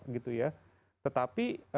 gitu ya tetapi